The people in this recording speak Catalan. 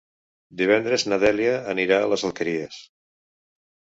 Divendres na Dèlia anirà a les Alqueries.